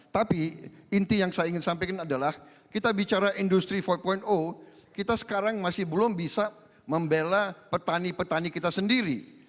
tapi inti yang saya ingin sampaikan adalah kita bicara industri empat kita sekarang masih belum bisa membela petani petani kita sendiri